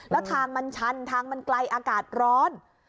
แล้วทางมันชันทางมันไกลอากาศร้อน